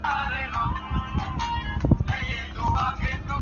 তিনি ঝঞ্ঝাবিক্ষুব্ধ দামোদর নদ সাঁতরেও পার হয়েছিলেন।